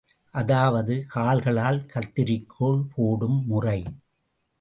அதாவது கால்களால் கத்தரிக்கோல் போடும் முறை.